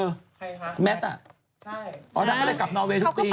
ใครคะแมทอ่ะใช่อ๋อนางก็เลยกลับนอเวย์ทุกปี